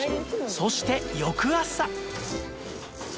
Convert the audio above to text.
そして翌朝